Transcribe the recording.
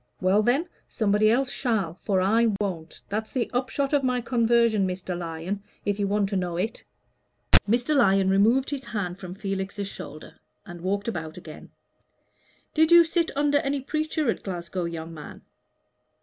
Well then, somebody else shall, for I won't. That's the upshot of my conversion, Mr. Lyon, if you want to know it." Mr. Lyon removed his hand from Felix's shoulder and walked about again. "Did you sit under any preacher at Glasgow, young man?"